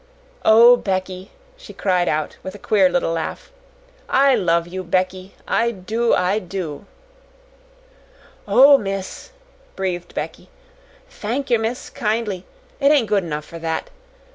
"Oh, Becky!" she cried out, with a queer little laugh, "I love you, Becky I do, I do!" "Oh, miss!" breathed Becky. "Thank yer, miss, kindly; it ain't good enough for that.